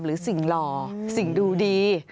หรือสิ่งหล่อสิ่งดูดี